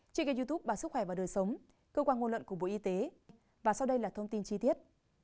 trên kênh youtube bà sức khỏe và đời sống cơ quan ngôn luận của bộ y tế và sau đây là thông tin chi tiết